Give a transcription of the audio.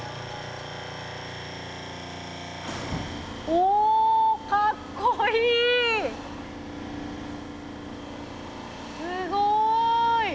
おかっこいい！